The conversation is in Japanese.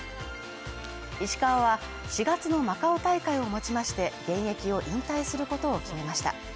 石川は４月のマカオ大会をもちまして現役を引退することを決めました